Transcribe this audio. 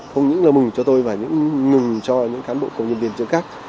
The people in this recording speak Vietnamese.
không những là mừng cho tôi và những ngừng cho những cán bộ công nhân viên chữ khác